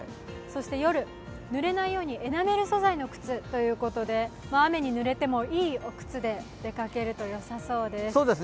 夜、ぬれないようにエナメル素材の靴でということで雨に濡れてもいいお靴で出かけるとよさそうです。